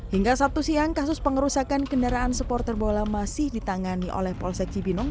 hingga sabtu siang kasus pengerusakan kendaraan supporter bola masih ditangani oleh polsek cibinong